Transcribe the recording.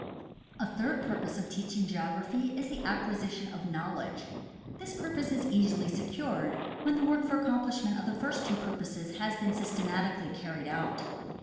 A third purpose of teaching geography is the acquisition of knowledge. This purpose is easily secured, when the work for the accomplishment of the first two purposes has been done systematically carried out.